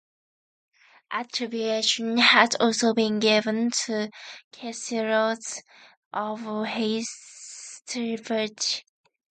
Atribuation has also been given to Caesarius of Heisterbach.